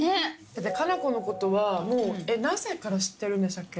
夏菜子のことはもう何歳から知ってるんでしたっけ？